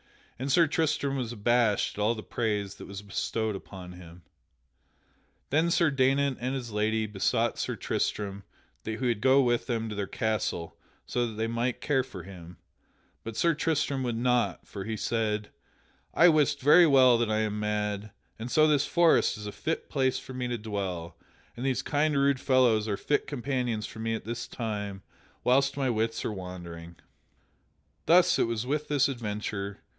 And Sir Tristram was abashed at all the praise that was bestowed upon him. Then Sir Daynant and his lady besought Sir Tristram that he would go with them to their castle so that they might care for him, but Sir Tristram would not, for he said: "I wist very well that I am mad, and so this forest is a fit place for me to dwell and these kind rude fellows are fit companions for me at this time whilst my wits are wandering." Thus it was with this adventure.